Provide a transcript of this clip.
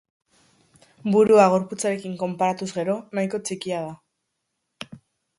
Burua gorputzarekin konparatuz gero, nahiko txikia da.